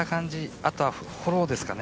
あとはフォローですかね